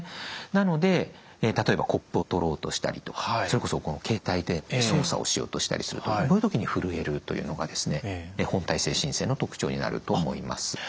なので例えばコップを取ろうとしたりとかそれこそこの携帯で操作をしようとしたりするとこういう時にふるえるというのが本態性振戦の特徴になると思います。